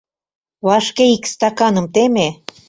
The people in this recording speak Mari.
Вашке ик стаканым теме!